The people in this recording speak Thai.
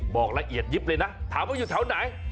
บอกละเอียดยิบเลยนะถามว่าอยู่แถวไหน